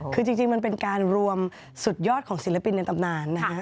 คือจริงมันเป็นการรวมสุดยอดของศิลปินในตำนานนะฮะ